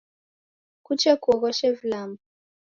Kuche kuoghoshe vilambo.